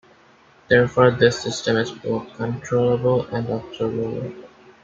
Therefore, this system is both controllable and observable.